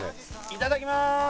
いただきまーす。